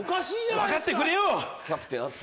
わかってくれよ！